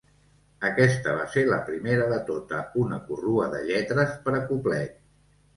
Aquesta va ser la primera de tota una corrua de lletres per a cuplet.